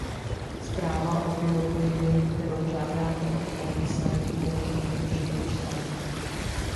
Zpráva o bioplynu, kterou žádáte od Komise, je rozhodně užitečná.